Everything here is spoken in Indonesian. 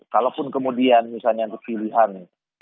kalaupun kemudian misalnya kesilihan